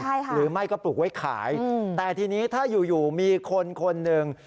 ใช่ค่ะหรือไม่ก็ปลูกไว้ขายแต่ทีนี้ถ้าอยู่อยู่มีคนคนหนึ่ง